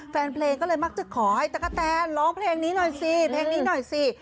แฟนเพลงก็เลยมักจะขอให้ตะกะแตนร้องเพลงนี้หน่อยสิเพลงนี้หน่อยสิ